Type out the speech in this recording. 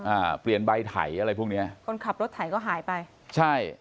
อ่าเปลี่ยนใบไถอะไรพวกเนี้ยคนขับรถไถก็หายไปใช่